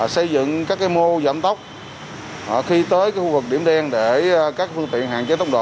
xây dựng các mô giảm tốc khi tới khu vực điểm đen để các phương tiện hạn chế tốc độ